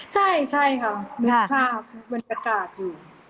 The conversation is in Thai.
ใช่ค่ะนึกภาพบรรยากาศอยู่